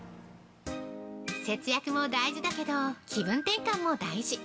節約も大事だけど気分転換も大事。